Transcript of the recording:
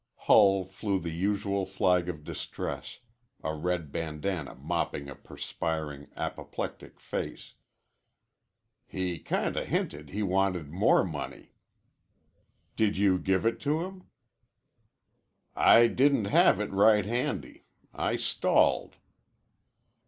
Hull flew the usual flag of distress, a red bandanna mopping a perspiring, apoplectic face. "He kinda hinted he wanted more money." "Did you give it to him?" "I didn't have it right handy. I stalled."